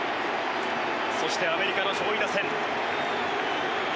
そしてアメリカの上位打線。